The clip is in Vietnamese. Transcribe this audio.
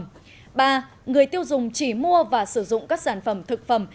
cục an toàn thực phẩm đề nghị ba người tiêu dùng chỉ mua và sử dụng các sản phẩm thực phẩm